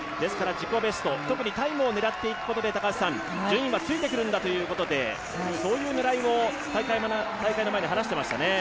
自己ベスト、特にタイムを狙っていくことで順位はついてくるんだということでそういう狙いも大会の前に話していましたね。